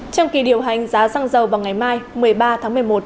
trong kỳ điều hành giá xăng dầu vào ngày mai một mươi ba tháng một mươi một